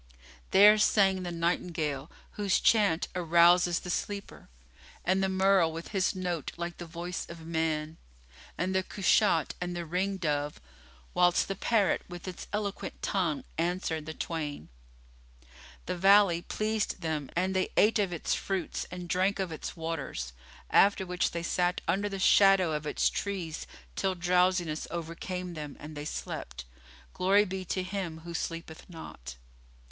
There sang the nightingale, whose chant arouses the sleeper, and the merle with his note like the voice of man and the cushat and the ring dove, whilst the parrot with its eloquent tongue answered the twain. The valley pleased them and they ate of its fruits and drank of its waters, after which they sat under the shadow of its trees till drowsiness overcame them and they slept, glory be to Him who sleepeth not!